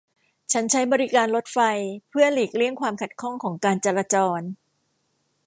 ฉันใช้บริการรถไฟเพื่อหลีกเลี่ยงความขัดข้องของการจราจร